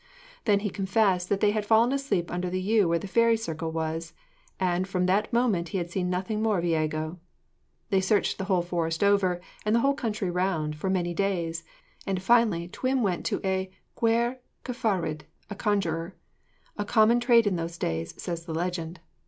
Then he confessed that they had fallen asleep under the yew where the fairy circle was, and from that moment he had seen nothing more of Iago. They searched the whole forest over, and the whole country round, for many days, and finally Twm went to a gwr cyfarwydd (or conjuror), a common trade in those days, says the legend.